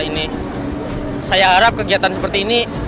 ini saya harap kegiatan seperti ini